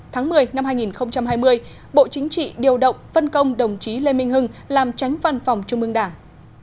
tháng một mươi năm hai nghìn hai mươi bộ chính trị điều động phân công đồng chí lê minh hưng làm tránh văn phòng trung ương đảng